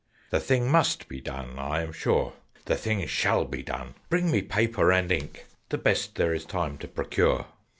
The thing must be done, I am sure. The thing shall be done! Bring me paper and ink, The best there is time to procure."